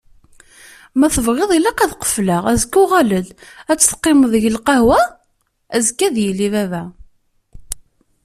Ma tebɣiḍ ilaq ad qefleɣ! Azekka uɣal-d ad teqimeḍ deg lqahwa? Azekka ad yili baba!